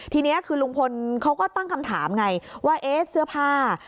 ทีนี้คือลุงพลเขาก็ตั้งคำถามไงว่าเอ๊ะเสื้อผ้า